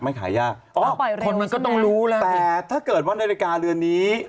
เอาไปเร็วมันก็ต้องรู้แล้วนะครับอ๋อแต่ถ้าเกิดว่านาฬิกาเรือนนี้